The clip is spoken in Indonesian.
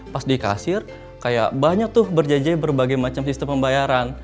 pas di kasir kayak banyak tuh berjanji berbagai macam sistem pembayaran